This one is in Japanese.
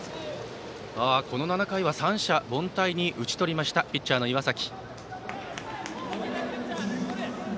この７回は三者凡退に打ち取りましたピッチャーの岩崎。